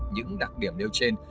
những đặc điểm nêu trên